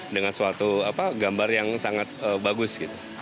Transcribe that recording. dengan suatu gambar yang sangat bagus